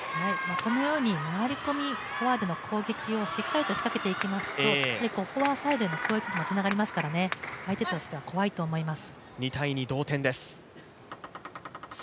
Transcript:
このように回り込みフォアでの攻撃をしっかりしかけていきますとフォアサイドでの攻撃につながりますからね、相手としては怖いと思います。